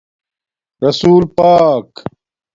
رسول پاک